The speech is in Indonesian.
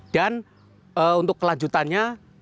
dan untuk kelanjutannya